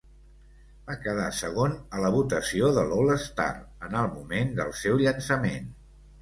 Va quedar segon a la votació de l'all-star en el moment del seu llançament.